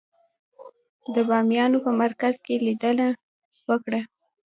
د بامیانو په مرکز کې لیدنه وکړه.